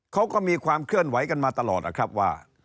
เขาก็มีความเคลื่อนไหวกันมาตลอดนะครับว่า